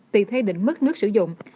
tùy thay định mức nước sử dụng